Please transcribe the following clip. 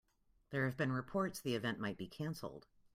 There have been reports the event might be canceled.